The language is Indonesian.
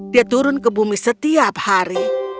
dia turun ke bumi setiap hari